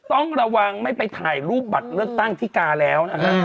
ต้องระวังไม่ไปถ่ายรูปบัตรเลือกตั้งที่กาแล้วนะฮะ